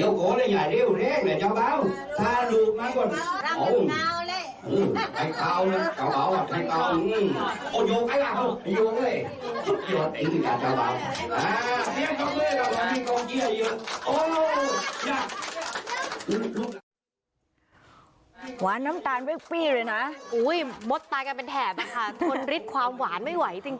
โอ้โฮจ้าบ๊าวโอ้โฮแม็กซ์หุ๊บหุ๊บ